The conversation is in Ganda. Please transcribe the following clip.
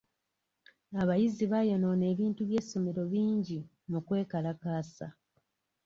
Abayizi baayonoona ebintu by'essomero bingi mu kwekalakaasa.